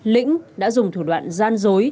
lĩnh đã dùng thủ đoạn gian dối